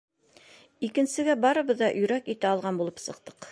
Икенсегә барыбыҙ ҙа өйрәк ите алған булып сыҡтыҡ.